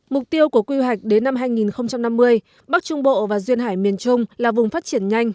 mục tiêu của quy hoạch đến năm hai nghìn năm mươi bắc trung bộ và duyên hải miền trung là vùng phát triển nhanh